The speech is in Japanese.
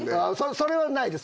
それはないです